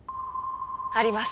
あります。